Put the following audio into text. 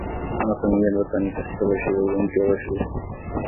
Anatomia, botânica, citologia e embriologia